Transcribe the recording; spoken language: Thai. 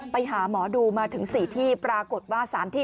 ไปหาหมอดูมาถึง๔ที่ปรากฏว่า๓ที่